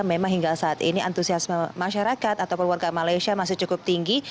memang hingga saat ini antusiasme masyarakat ataupun warga malaysia masih cukup tinggi